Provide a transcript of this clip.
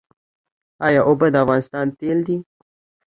آیا اوبه د افغانستان تیل دي؟